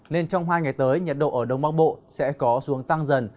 nên trong hai ngày tới nhiệt độ ở đông bắc bộ sẽ có xuống tăng dần